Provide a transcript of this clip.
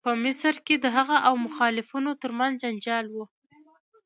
په مصر کې د هغه او مخالفانو تر منځ جنجال و.